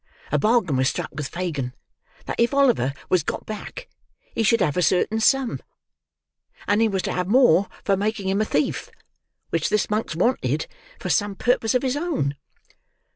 A bargain was struck with Fagin, that if Oliver was got back he should have a certain sum; and he was to have more for making him a thief, which this Monks wanted for some purpose of his own."